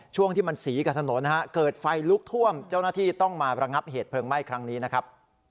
ช่วงที่มันสีกับถนนนะฮะเกิดไฟลุกท่วมเจ้าหน้าที่ต้องมาระงับเหตุเพลิงไหม้ครั้งนี้นะครับ